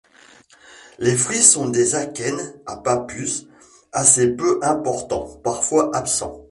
Les fruits sont des akènes à pappus assez peu important, parfois absent.